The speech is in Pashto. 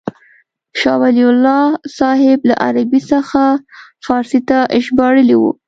شاه ولي الله صاحب له عربي څخه فارسي ته ژباړلې وه.